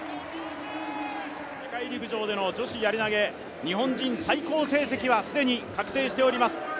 世界陸上での女子やり投、日本人最高成績は既に確定しております。